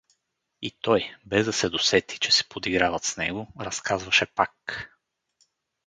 И той, без да се досети, че се подиграват с него — разказваше пак.